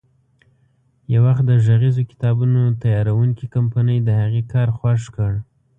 یو وخت د غږیزو کتابونو تیاروونکې کمپنۍ د هغې کار خوښ کړ.